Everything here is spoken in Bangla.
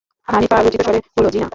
হানিফা লজ্জিত স্বরে বলল, জ্বি-না।